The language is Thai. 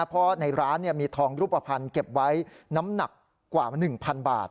เพราะในร้านมีทองรูปภัณฑ์เก็บไว้น้ำหนักกว่า๑๐๐๐บาท